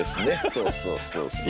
そうそうそうそう。